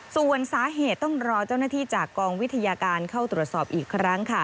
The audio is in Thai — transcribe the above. ส่วนสาเหตุต้องรอเจ้าหน้าที่จากกองวิทยาการเข้าตรวจสอบอีกครั้งค่ะ